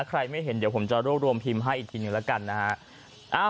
ไม่เห็นเดี๋ยวผมจะรวบรวมพิมพ์ให้อีกทีหนึ่งแล้วกันนะฮะ